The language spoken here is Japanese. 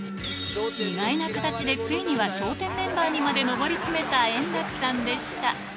意外な形でついには笑点メンバーにまで上り詰めた円楽さんでした。